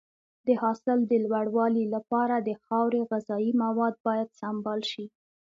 د حاصل د لوړوالي لپاره د خاورې غذایي مواد باید سمبال شي.